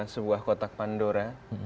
sebuah kotak pandora